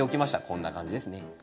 こんな感じですね。